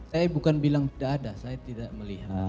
saya bukan bilang tidak ada saya tidak melihat